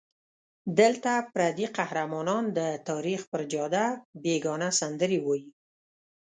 دلته پردي قهرمانان د تاریخ پر جاده بېګانه سندرې وایي.